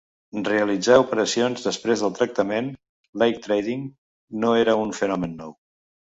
Realitzar operacions després del tancament (late trading) no era un fenomen nou.